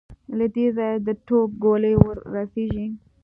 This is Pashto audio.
له دې ځايه د توپ ګولۍ ور رسېږي.